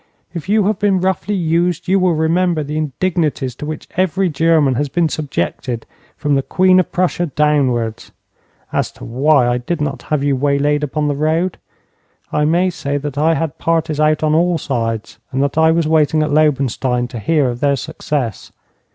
'If you have been roughly used, you will remember the indignities to which every German has been subjected, from the Queen of Prussia downwards. As to why I did not have you waylaid upon the road, I may say that I had parties out on all sides, and that I was waiting at Lobenstein to hear of their success.